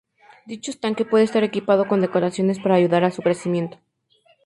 Dicho estanque puede estar equipado con decoraciones para ayudar a su crecimiento.